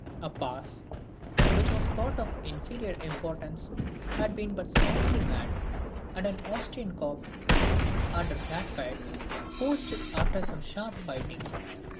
A pass, which was thought of inferior importance, had been but slightly manned, and an Austrian corps under Clairfayt, forced it after some sharp fighting.